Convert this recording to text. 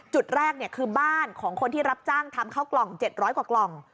จุดแรกคือบ้านของคนที่รับจ้างทำเข้ากล่อง๗๐๐กว่ากล่อง